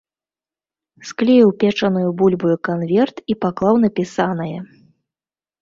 Склеіў печанаю бульбаю канверт і паклаў напісанае.